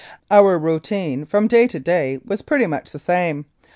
Our routine from day to day was pretty much the same.